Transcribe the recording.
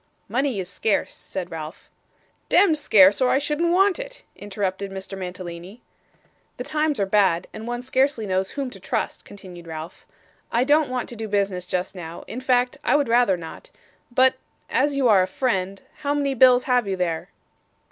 'Money is scarce,' said Ralph. 'Demd scarce, or I shouldn't want it,' interrupted Mr. Mantalini. 'The times are bad, and one scarcely knows whom to trust,' continued Ralph. 'I don't want to do business just now, in fact I would rather not; but as you are a friend how many bills have you there?